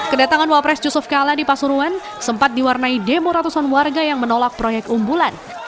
kedatangan wapres yusuf kala di pasuruan sempat diwarnai demo ratusan warga yang menolak proyek umbulan